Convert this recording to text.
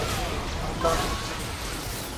আমরা আজ প্রথম অনুদানটি পাঠিয়েছি।